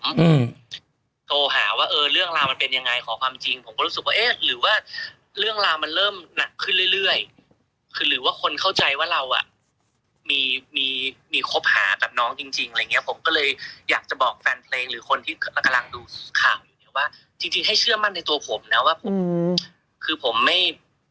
อืมโทรหาว่าเออเรื่องราวมันเป็นยังไงขอความจริงผมก็รู้สึกว่าเอ๊ะหรือว่าเรื่องราวมันเริ่มหนักขึ้นเรื่อยเรื่อยคือหรือว่าคนเข้าใจว่าเราอ่ะมีมีคบหากับน้องจริงจริงอะไรอย่างเงี้ยผมก็เลยอยากจะบอกแฟนเพลงหรือคนที่กำลังดูข่าวอยู่เนี้ยว่าจริงจริงให้เชื่อมั่นในตัวผมนะว่าผมคือผมไม่